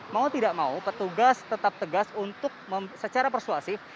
mau tidak mau petugas tetap tegas untuk secara persuasif